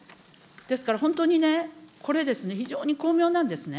ですから本当にね、これですね、非常に巧妙なんですね。